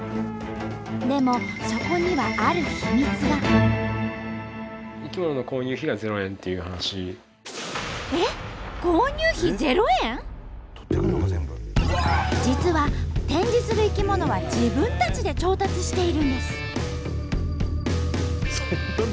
でもそこには実は展示する生き物は自分たちで調達しているんです。